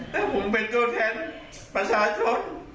แต่ผมเป็นต้นแทนประชาชน